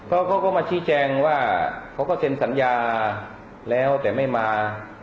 เขาก็มาชี้แจงว่าเขาก็เซ็นสัญญาแล้วแต่ไม่มา